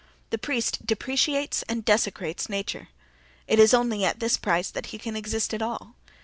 The priest depreciates and desecrates nature: it is only at this price that he can exist at all.